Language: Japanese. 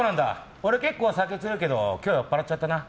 俺、結構酒強いけど今日、酔っぱらっちゃったな。